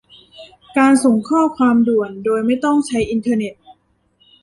การส่งข้อความด่วนโดยไม่ต้องใช้อินเทอร์เน็ต